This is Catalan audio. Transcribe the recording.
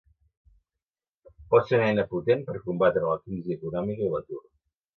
Pot ser una eina potent per combatre la crisi econòmica i l'atur.